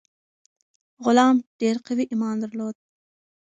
غلام ډیر قوي ایمان درلود.